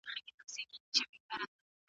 په حضوري زده کړه کي سوالونه وکړه.